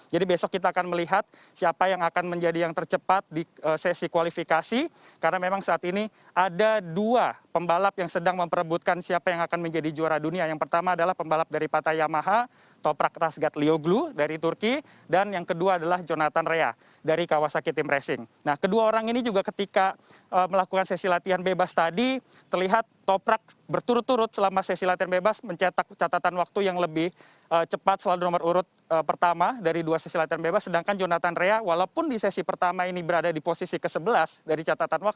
jadi besok kita akan melihat siapa yang akan menjadi yang tercepat dan siapa yang akan menjadi yang terbaik